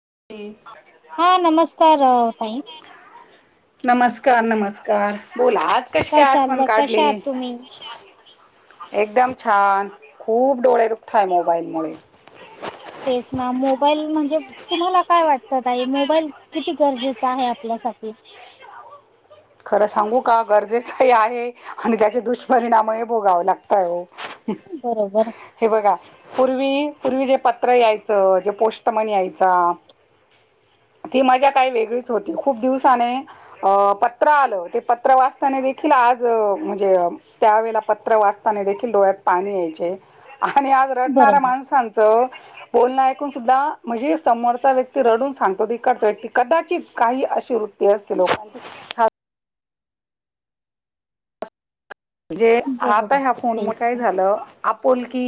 ह [unintelligible] हा नमस्कारताई [inaudible] नमस्कार नमस्कार बोला आज कशी काय आठवण चाललं? कशा काढली आहात तुम्ही? [inaudible] एकदम छान खूप डोळेरुखताय मोबाईल मुळे- तेच ना मोबाईल म्हणजे तुम्हाला काय वाटत मोबाईल किती गरजेचा आहे आपल्यासाठी- [inaudible] खरं सांगू का गरजेचंही आहे आणि त्याचे दुष्परिणाम हे भोगाव लागतय हो बरोबर, हे बघा पूर्वी पूर्वी जे पत्र यायचं जे पोस्मन यायचा ती मजा काही वेगळीच होती खूप दिवसाने अ प्र आलं ते पत्र वाचताना देखील आज म्हणजे त्यावेला पत्र वाचताना देखील डोळ्यात पाणी यायचे आणि आज रडणाऱ्या बरोबर, माणसांचं बोलणं ऐकून सुद्धा म्हणजे समोरचा व्यक्ती रडून सांगतो इकडचा व्यक्ती कदाचित काही अशी वृत् असते लोकांची म्हणजे आता बरोबर. ह्या फोन मुळे तेच काय ना. झालं आपुलकी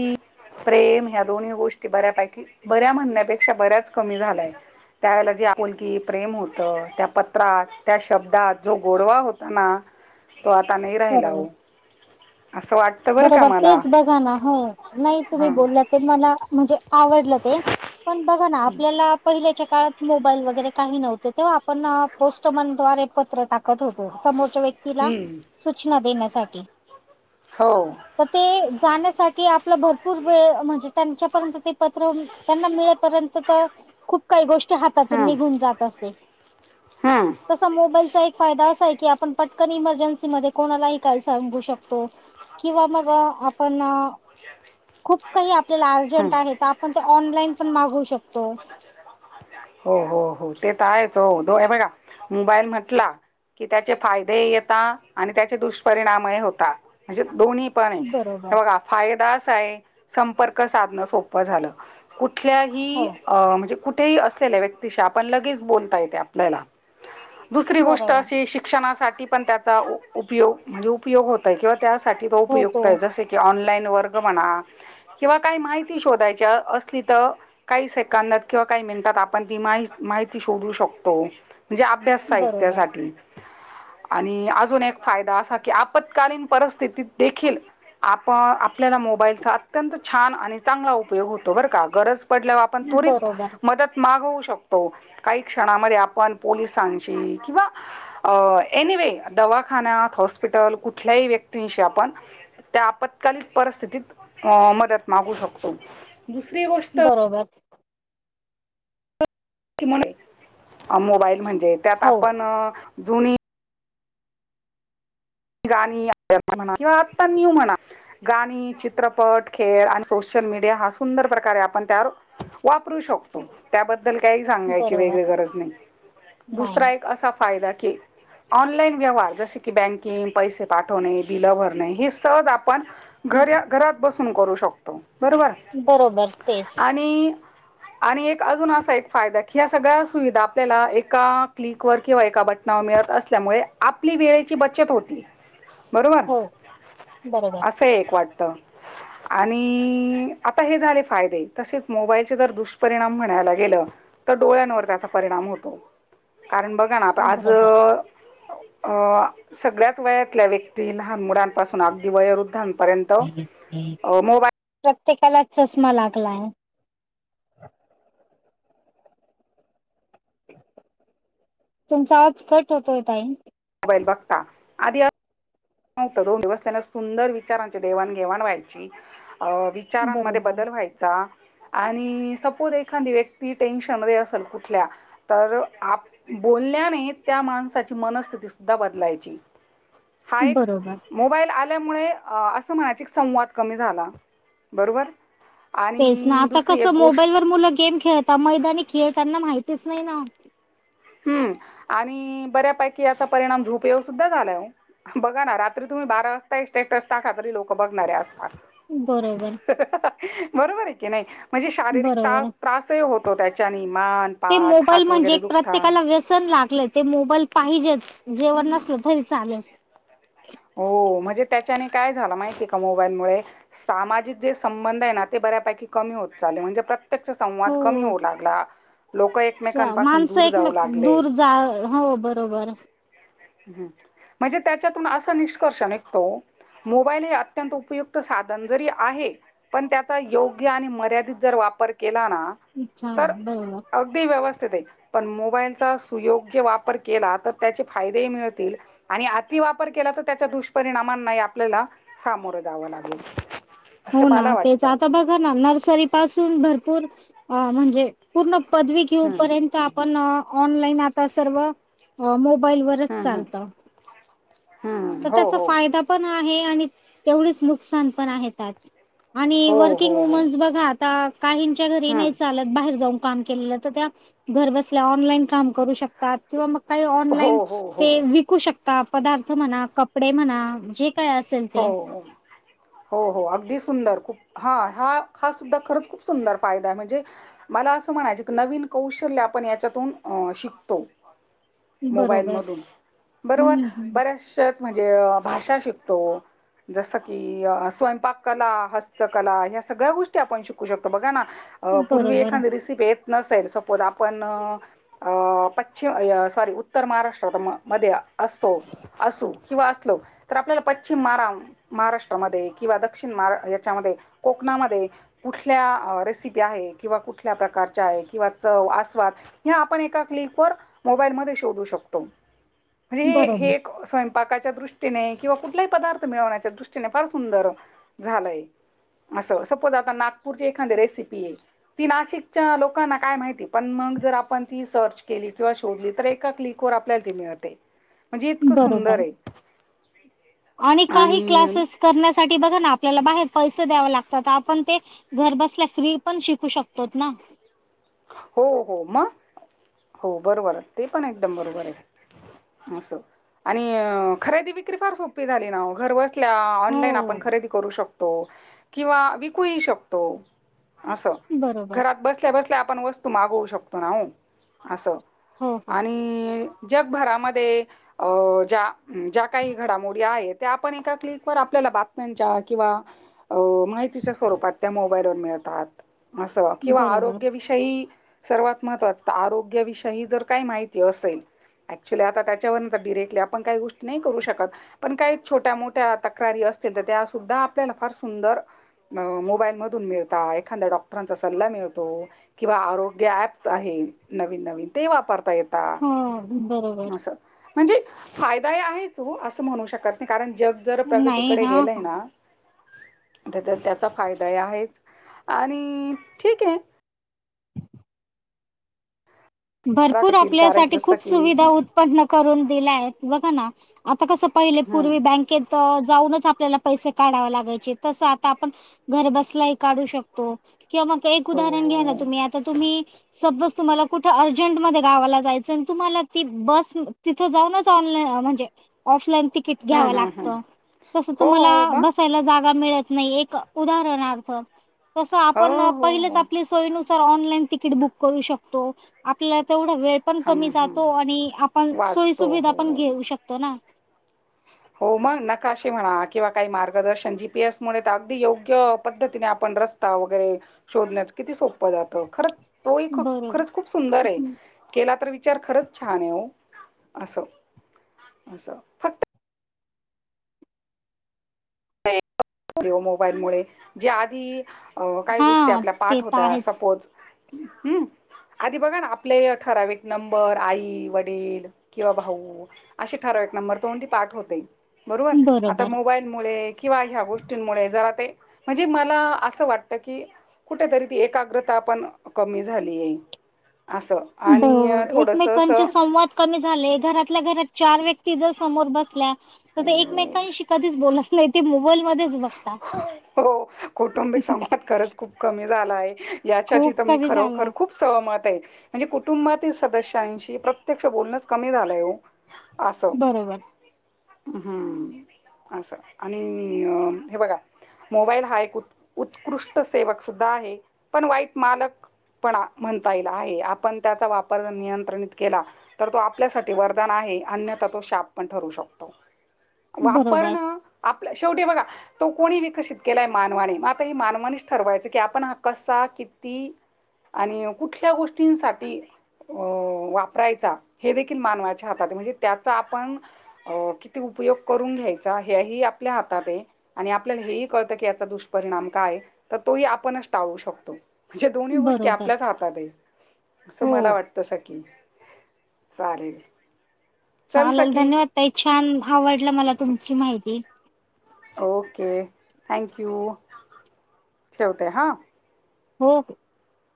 प्रेम ह्या दोन्ही गोष्टी बऱ्यापैकी बऱ्या म्हणण्यापेक्षा बऱ्याच कमी झालाय त्यावेेळेला जे आपुलकी प्रेम होत त्या पत्रात त्या शब्दात जो गोडवा होता ना [inaudible] तो आता नाही राहिला बरोबर, हो बरोबर तेच बघा ना हो नाही तुम्ही हा बोललं ते मला म्हणजे आवडलं ते पण बघा ना आपल्याला पडल्याच्या काळात मोबाईल वगैरे काही नव्हते तेव्हा आपण पोस्टमनद्वारे पत्र टाकत होत समोरच्या व्यक्तीला हम्म सूचना देण्यासाठी हो. त ते [unintelligible] जाण्यासाठी आपला भरपूर वेळ म्हणजे त्यांच्यापर्यंत ते पत्र त्यांना मिळेपर्यंत तर खूप काही गोष्टी हातातून हा निघून जात असते हा तसा मोबाईलचा ही एक फायदा असा आहे की आपणपटकन इमर्जन्सी मध्येकोणालाही काही सांगू शकतो किंवा मग आपण खूप काही आपल्याला अर्जंट हा. आहे तर आपण ते ऑनलाइन पण मागवू शकतो हो हो हो ते तर आहेच हो दो आहे बघा मोबाईल म्हटला कि त्याचे फायदेही येतात आणि त्याचे दुष्परिणामही होतात अशे दोन्हीही पण बरोबर एवढा फायदाच आहे संपर्क साधन सोपं झालं हो कुठल्याही म्हणजे कुठ ते असलेल्या व्यक्तीशी आपण लगेच बोलता येते आपल्याला दुसरी गोष्ट बरोबर अशी शिक्षणासाठी पण त्याचा उपयोग दुरुपयोग होत आहे त्यासाठी तो उपयुक्त आहे जसे की ऑनलाईन वर्ग म्हणा ह [inaudible] किंवा काही माहिती शोधायच्या असली तर काही सेकंदात किंवा काही मिनिटात आपण ती माहिती श शत म्हणे अभ सा बरोबर अज [unintelligible] फायदा असा की आपत्कालीन परिस्थितीत देखील आपन आपल्याला मोबाईलचा अत्यंत छान आणि चांगला उपयोग होतो बरं का गरज पडल्यावर आपण त्वरित बरोबर मदत मागु शकतो काही क्षणांमध्ये आपण पोलिसांची किंवा आ एनीवे दवाखान्यात हॉस्पिटल कुठल्याही व्यक्तींशी आपण त्या आपत्कालीन परिस्थितीत अ मदत मागू शकतो दुसरी गोष्ट बरोबर मोबाईल म्हणजे त्यात हो आपण जुनी गाणी म्हणा किंवा आता न्यू म्हणा गाणी चित्रपट खेळ आणि सोशल सोशल मीडिया हा सुंदर प्रकार आहे आपण त्यावर वापरू शकतो त्याबद्दल बद्दल काही सांगायची बरोबर वेगळी गरज नाही दुसरा नाही एक असा फायदा की ऑनलाईन व्यवहार जसे की बँकिंग पैसे पाठवणे बिलं भरणे हे सहज आप आपण घर घरात बसून करू शकतो बरोबर बरोबर तेच आणि आणि एक अजून असा एक फायदा की या सगळ्या सुविधा आपल्याला एका क्लिक वर किंवा एका बटना मिळत असल्यामुळे आपली वेळेची बचत चतुर्थी बरोबर हो बरोबर अस एक वाटत आणि आता हे झाले फायदे तसेच मोबाईलचे जर दुष्परिणाम म्हणायला गेलं तर डोळ्यांवर त्याचा परिणाम होतो [inaudible] कारण बघा ना आता आज बरोबर. आ सगळ्याच वयातल्या व्यक्ती लहान मुलांपासून अगदी वयोवृद्ध पर्यंत मोबाईल प्रत्येकाला चष्मा लागलाय तुमचा आज कट होतोयेताई. ल बघता आध या [unintelligible] नव्हतं दो् बसल्या सुंदर विचारांचे देवाणघेवाण व्हायची. अ विचारांमध्ये बरोबर. बदल व्हायचा. आणि सपोज एखादी व्यक्ती टेन्शन मध्ये असेल, कुठल्या तर आप बोल आपल्याने त्या माणसाची मनस्थिती सुद्धा बदलायची. [inaudible] हा एक बरोबर. मोबाईल आला. ल्यामुळे अस म्हना संवाद कमी झाला बरोबर. तेच ना आणि आता दुसरी एक कसं मोबाईल गोष्ट वर मुलं गेम खेळत मैदानी खेळताना माहितीच. नाही ना. हं, आणि बऱ्यापैकी याचा परिणाम झोप येऊ सुद्धा झाला बघा ना रात्री तुम्ही बारा वाज सेट रस्ता खातरी लोक बघणारऱ्या असतात. बरोबर [unintelligible] बरोबर हेे की नाही. म्हणजे शारीरिक तास बरोबर. त्रासही होतो त्याच्यानी मान पाात हात वगैरे दु. ्यकाला व्यसन लागलं ते मोबाईल पाहिजेच जेवण नसल तरी चालेल. हो म्हणजे त्याच्याने काय झालं माहितीय का मोबाईलमुळे सामाजिक जे संबंध आहे ना ते ब बऱ्यापैकी कमी होत चालला म्हणजे प्रत्य संवाद कमी हो. होऊ लागला. लोक च एकमेकांपासून माणसं दूर जाऊ एकमेक लागले. दूर जा हो बरोबर. हम् म्हणजे त्याच्यातून असा निष्कर्ष निऐतो. मोबाईल हे अत्यंत उपयुक्त साधन जरी आहे, पण त्याचा योग्य आणि मर्यादित जर वा चालेल बरोबर. अ व्य [unintelligible] पण मोबाईलचा सुयोग्य वापर केला तर त्या फायदे मिळतील आणि अति वापर केला, तर त्याच्या दुष्परिणामांना आपल्याला सामोरं जावं लाग ह [unintelligible] हो ना तेच आता बघा ना नर्सरी पासून भरपूर म्हणजे पूर्ण. हम्म घेर् आप ऑर् [unintelligible] बलवरच हम्म हम्म चालत तर हम्म हो त्याचा हो फायदा पण आहे. तेवढच नुकसान पण आहे आणि हो वर्किंग हो हो वुमन्स बघा आता. काहींच्या घरी हम्म नाही चालत बाहेर जाऊन. का त्या घर बसल्या ऑनलाईन काम करू शकतात, किंवा म काही हो ऑनलाईन हो हो हो ते विकू शकता पदार्थ म्हणा कपडे म्हणाणजे. हो हो हो अगदी. सुंदर खूप हा हा हा सुद्धा खरंच खूप सुंदर फायदा आहे म्हणजे मला असं म्हणायच की नवीन. कौशल्य आपण याच्यातून शिकतो. मोबाईल बरोबर. मधून बरोबर हम्म, हम्म. बऱ्याच म्हणजे भाषा शिक तो. जसं की अ स्वयंपाक कला हस्तकला ह्या सगळ्या गोष्टी आपण शिकू शकतो बघा ना. अ पूर्वी बरोबर. एखांदि रसिपेत. नसेल सपोज आपण पश्चिम सॉरी उत्तर महाराष्ट्रात म मध्ये. असतो असू किंवा असलो तर आपल्याला. पश्चिम मारा महाराष्ट्रामध्ये किंवा दक्षिण मार याच्यामध्ये कोकणामध्ये कुठल्या. रेसिपी आहे किंवा कुठल्या प्रकारच्या आहे किंवा च आस्वाद ह आपण एका क्लिक वरं. मोबाल म शोधू शकतो बरोबर, म्हणजे स्वयपाकाच्या दृष्टीने. किंवा कुठलाही पदार्थ मिळवण्याच्या दृष्टीने फार सुंदर झालंय. असं सपोज आता नागपूरची एखादी रेसिपी आहे, ती नाशिकच्या लोकांना काय माहिती पण. सर् को ए क् वल्या [unintelligible] म्हणजे इतकं सुंदर बरोबर. हे. आणि काही क्लासेस करण्यासाठी बघा ना. आपला बाहेर पैसे द्याव लागतात आपण ते घर बसल्या फ्री पण शिकू शकतो ना. हो हो मग हो बरोबर ते पण एकदम बरोबर आहे. अस आणि खरेदी विक्री फार सोपी झाली ना घर बसल. ऑनईन आपण हो. खरेदी करू शकतो किंवा विकू शकतो. असं बरोबर. घरात बसल्या बसल्या आपण वस्तू मागवू शकतो ना हो असं. हो, हो. आणि जगभरामध्ये अ ज्या ज्या काही घडामोडी आहेत त्या आपण एका क्लिक व आपल्या बातम्यांच्या किंवा माहितीच्या स्वरूपात त्या मोबाईल व मिळतात. असं किंवा आरो बरोबर. षय सर्वात महत् आरोग्याविषयी जर काय माहिती असेल. ऍक्च्युली आता त्याच्यावर डीरेक्टली आपण काही गोष्टी नाही करू शकत पण काही छोट्या मोठ्या तक्रारी अस अस तर त्या सुद्धा आपल्याला फार सुंदर अ मोबाईल मधून मिळता एखादा्या डॉक्टरांचा सल्ला मिळतो. किंवा आरोग्य ऍप् आहे नवीन नवीन ते वापरता येत हो, बरोबर. अस म्हणजे फायदा आहेच हो असं म्हणू शकत नाहीी कारण जग जर नाही. प्रगतीकडे हां, गेलंय हां. ना तर तर त्याचा फायदा आहेच आणि ठीक आहे. भरपूर राखतील कारण आपल्यासाठी जसं खूप की सुविधा उत्पन्न करून दिल्या आहेत बघा ना आता कसं पहिले हं पूर्वी बँकेत तर जाऊनच आपल्याला पैसे काढावे लागायचे तसं आता आपण घर बसलाही काढू शकतो. किंवा मग एक हो उदाहरण घ्या ना हो तुम्ही आता तुम्ही सबज तुम्हाला कुठ अर्जंटमध्ये गावाला जायचं तुम्हाला ती बस तिथ जाऊनच ऑनलाईन म्हणजे ऑफलाईन तिकीट घ्याव हं हं लागत हं तस हो तुम्हाला हो मग बसायला जागा मिळत नाही एक उदारनार्थ तस हो आपण हो पहीलच हो आपली सोय नु सर ऑनलाईन तिकीट बुक करू शकतो आपला ज वेळ पण हं कमी हं जातो आणि आपण सोयी वाचतो सुविधा पण हो घेऊ शकतो ना. हो मग नकाशे म्हणा किंवा काही मार्गदर्शन जीपीएस मुळे तर अगदी योग्य पद्धतीने आपण रस्ता वगैरे शोधण्याच किती सोपं जात खरंच तोही खूप बरोबर खरंच खूप सुंदर आहे केला तर विच विचार खरच छान आहे अस अस फक्त. मोबाईल मु जे आधी अ काही गोष्टी हां, आपल्या ते पाठ तर होत्या आहेच. सपोज हम्म [inaudible] आधी बघा ना आपले ठराव नंबर आई वडील किंवा भाऊ असे ठर ठरावीक नंबर तोंडी पाठव होते बरोबर आता मोबाईल मुळे गोष्टी मुळे जवा ते म्हणजे मला असं वाटत कि कुठेतरी ती एकाग्रता पण कमी झाली आहे. असं आणि बरोबर थोडस एकमेकांचे संवाद कमी झाले घरातल्या घरात चार व्यक् कि जर समोर बसल्या त एक असं मेकांशी कदीच बोलत नाही ते मोबाईल तेज बघता. हो कौटुंबिक संवाद खरच खूप कमी झालाय याच्याची खूप तर मी कमी झाला. खरोखर खूप सहमत म्हणजे कुटुंबातील सदस्यांशी प्रत्यक्ष बोलण कमी झालंय ओ. बरोबर. हम्म असं आणि हे बघा. मोबाईल हा एक उत्कृष्ट सेवक सुद्धा आहे पण वाईट मालक पण म्हणता येला आहे आपण त्याचा वापर नियंत्रणित केला तर तो आपल्यासाठी वरदान आहे अन्यथा तो शाप पण ठरू शकतो बरोबर, वापरणं आपलं शेवटी बघा तो कोणी विकसित केलाय मानवाने मग आता ह मानवाणीच ठरवायचं की आपण हा कसा किती आणि कुठल्या गोष्टींसाठी अ वापरायचा हे देखील मानवाच्या हातात म्हणजे त्याचा आपण किती उपयोग करून घ्यायचा ह्याही आपल्या हातात आहे. आणि आपल्याला हेही कळतं की याचा दुष्परिणाम काय तर तोही आपणच टाळू शकतो म्हणजे दोन्ही गोष्टी बरोबर. आपल्याच हातातहैत असं हो, मला वाटत सकी सारे चालेल धन्यवाद तई छान आवडलं मला तुमची माहिती ओके थँक यू ठेवते हं हो